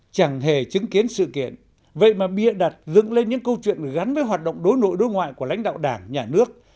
chẳng hề chứng kiến sự kiện vậy mà bịa đặt dựng lên những câu chuyện gắn với hoạt động đối nội đối ngoại của lãnh đạo đảng nhà nước